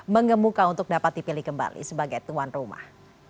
mengemuka untuk dapat dipilih kembali sebagai tuan rumah